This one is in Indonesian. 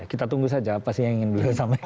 kita tunggu saja apa sih yang ingin beliau sampaikan